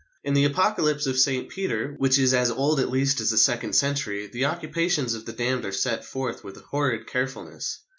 In The Apocalypse of St Peter, which is as old at least as the second century, the occupations of the damned are set forth with a horrid carefulness.